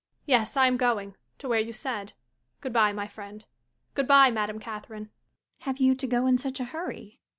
Yes, I am going to where you said. Good bye my friend! Good bye, Madame Catherine! MME. CATHERINE. Have you to go in such a hurry?